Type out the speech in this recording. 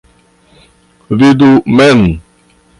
Vidu mem.